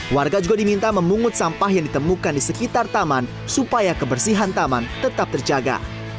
warga juga diminta memungut sampah yang ditemukan di sekitar taman supaya kebersihan taman tetap terjaga